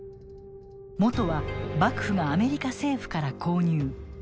もとは幕府がアメリカ政府から購入。